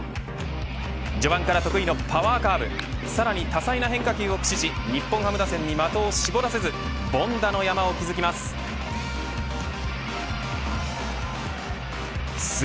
序盤から得意のパワーカーブさらに多彩な変化球を駆使し日本ハム打線に的を絞らせず凡打の山を築きます。